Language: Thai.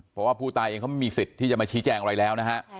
เพราะว่าผู้ตายเองเขาไม่มีสิทธิ์ที่จะมาชี้แจงอะไรแล้วนะฮะ